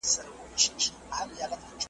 بس پردی وم بس بی واکه وم له ځانه ,